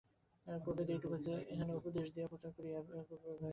প্রভেদ এইটুকু যে, এখানে উপদেশ দিয়া, প্রচার করিয়া বেড়াইতেছি।